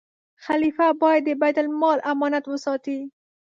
خلیفه باید د بیت المال امانت وساتي.